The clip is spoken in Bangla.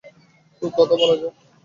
তো কথা বলা যাক।